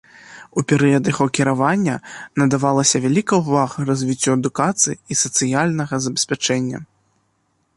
У перыяд яго кіравання надавалася вялікая ўвага развіццю адукацыі і сацыяльнага забеспячэння.